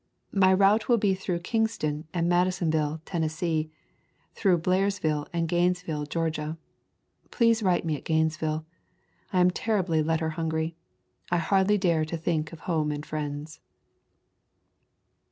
My route will be through Kingston and Madi sonville, Tennessee, and through Blairsville and Gainesville, Georgia. Please write me at Gainesville. I am terribly letter hungry. I hardly dare to think of home and friends."